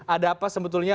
ada apa sebetulnya